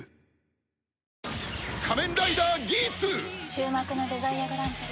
終幕のデザイアグランプリ。